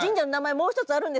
もう一つあるんですよね